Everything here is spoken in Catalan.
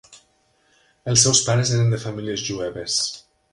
Els seus pares eren de famílies jueves.